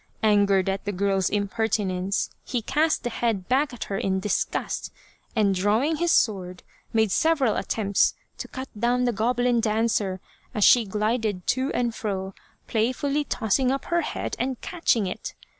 Angered at the girl's impertinence, he cast the head back at her in disgust, and drawing his sword, made several attempts to cut down the goblin dancer as she glided to and fro play fully tossing up her head and catching it.